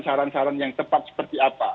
saran saran yang tepat seperti apa